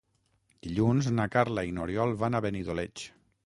Dilluns na Carla i n'Oriol van a Benidoleig.